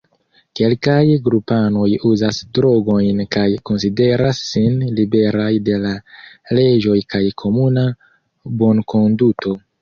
Kelkaj grupanoj uzas drogojn kaj konsideras sin liberaj de la leĝoj kaj komuna bonkonduto.